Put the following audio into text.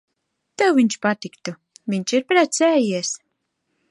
Tev viņš patiktu. Viņš ir precējies.